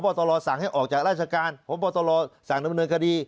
ตรสั่งให้ออกจากราชการพบตรสั่งดำเนินคดี